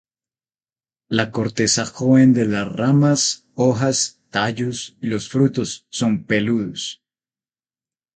La corteza joven de las ramas, hojas, tallos y los frutos son peludos.